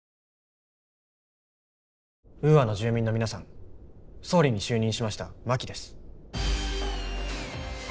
ウーアの住民の皆さん総理に就任しました真木です。